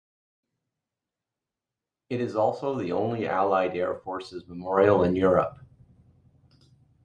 It is also the only Allied Air Forces Memorial in Europe.